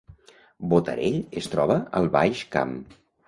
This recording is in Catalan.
Botarell es troba al Baix Camp